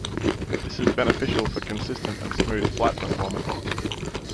This is beneficial for consistent and smooth flight performance.